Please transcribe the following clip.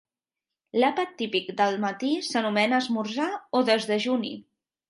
L'àpat típic del matí s'anomena esmorzar o desdejuni.